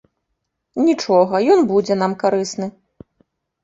Нічога, ён будзе нам карысны.